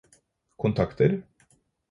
kontakter